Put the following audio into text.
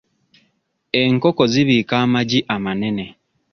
Enkoko zibiika amagi amanene.